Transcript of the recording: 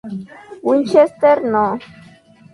Winchester No.